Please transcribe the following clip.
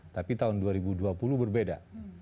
tapi tahun dua ribu dua puluh berbeda